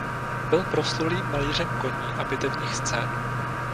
Byl proslulým malířem koní a bitevních scén.